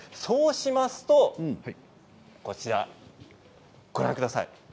そうしますとこちらご覧ください。